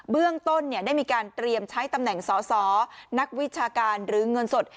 เบื้องต้นได้มีการเตรียมใช้ตำแหน่งสอสอนักวิชาการหรือเงินสด